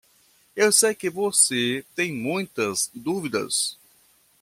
Eu sei que você tem muitas dúvidas.